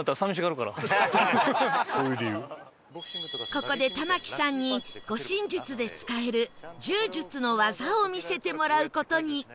ここで玉木さんに護身術で使える柔術の技を見せてもらう事に